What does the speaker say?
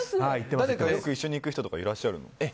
誰か、よく一緒に行く人とかいらっしゃるんですか？